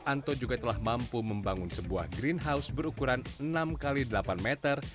anto juga telah mampu membangun sebuah greenhouse berukuran enam x delapan meter